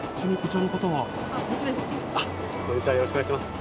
よろしくお願いします。